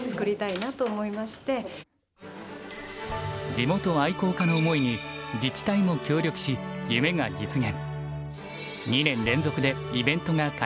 地元愛好家の思いに自治体も協力し夢が実現。